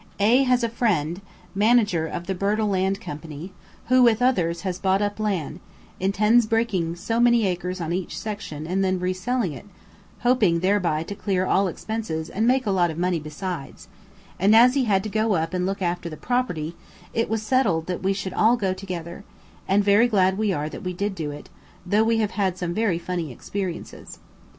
A has a friend, Manager of the Birtle Land Company, who with others has bought up land, intends breaking so many acres on each section and then reselling it, hoping thereby to clear all expenses and make a lot of money besides; and as he had to go up and look after the property, it was settled we should all go together, and very glad we are that we did do it, though we have had some very funny experiences.